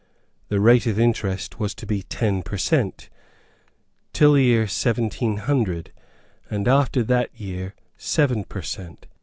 The rate of interest was to be ten per cent. till the year 1700, and after that year seven per cent.